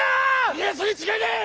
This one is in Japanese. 家康に違いねえ！